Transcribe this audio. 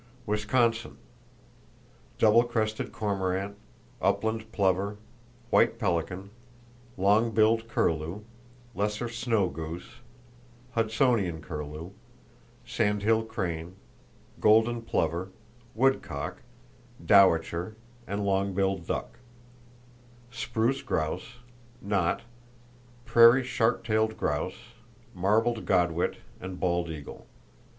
Wisconsin: Double crested cormorant, upland plover, white pelican, long billed curlew, lesser snow goose, Hudsonian curlew, sandhill crane, golden plover, woodcock, dowitcher and long billed duck; spruce grouse, knot, prairie sharp tailed grouse, marbled godwit and bald eagle.